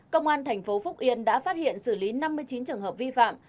công an thành phố phúc yên đã phát hiện xử lý năm mươi chín trường hợp vi phạm